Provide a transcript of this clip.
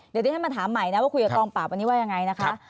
เดี๋ยวด้วยให้มาถามใหม่นะว่าคุยกับต้องปราบวันนี้ว่าอย่างไรนะคะ